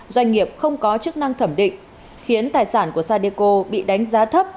doanh nghiệp không có chức năng thẩm định khiến tài sản của sadeco bị đánh giá thấp